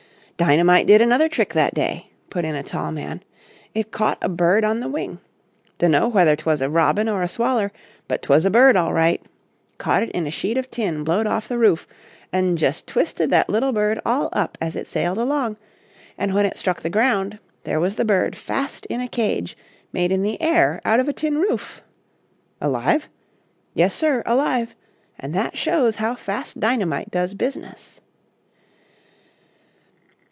"Dynamite did another trick that day," put in a tall man. "It caught a bird on the wing. Dunno whether 'twas a robin or a swaller, but 'twas a bird, all right. Caught it in a sheet of tin blowed off the roof, an' jest twisted that little bird all up as it sailed along, and when it struck the ground, there was the bird fast in a cage made in the air out of a tin roof. Alive? Yes, sir, alive; and that shows how fast dynamite does business."